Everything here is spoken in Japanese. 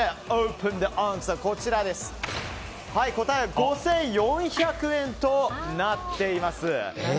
答えは５４００円となっています。